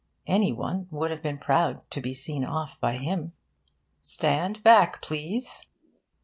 Any one would have been proud to be seen off by him. 'Stand back, please.'